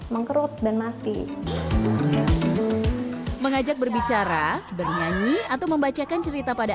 mengkerut dan mati mengajak berbicara bernyanyi atau membacakan cerita pada